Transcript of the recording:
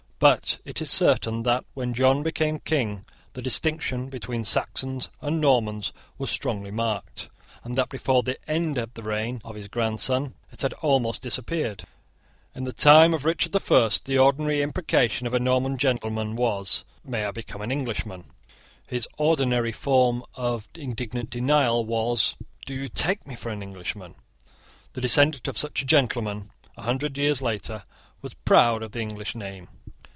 But it is certain that, when John became King, the distinction between Saxons and Normans was strongly marked, and that before the end of the reign of his grandson it had almost disappeared. In the time of Richard the First, the ordinary imprecation of a Norman gentleman was "May I become an Englishman!" His ordinary form of indignant denial was "Do you take me for an Englishman?" The descendant of such a gentleman a hundred years later was proud of the English name.